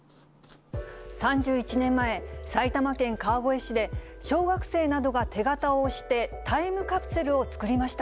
３１年前、埼玉県川越市で小学生などが手形を押してタイムカプセルを作りました。